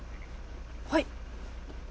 はい。